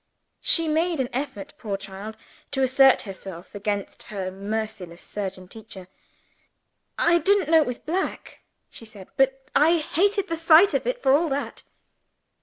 She made an effort, poor child, to assert herself, against her merciless surgeon teacher. "I didn't know it was black," she said. "But I hated the sight of it, for all that."